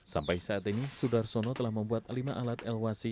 sampai saat ini sudarsono telah membuat lima alat eluasi